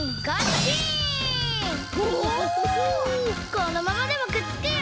このままでもくっつくよ！